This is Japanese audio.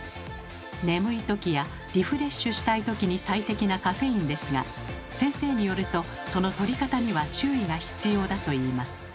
眠いときやリフレッシュしたいときに最適なカフェインですが先生によるとそのとり方には注意が必要だといいます。